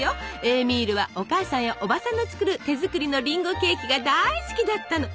エーミールはお母さんやおばさんの作る手作りのりんごケーキが大好きだったの！